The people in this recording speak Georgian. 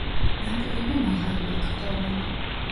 ნაპირები მაღალია, კლდოვანი.